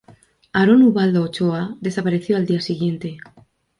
Aarón Ubaldo Ochoa desapareció al día siguiente.